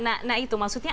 nah itu maksudnya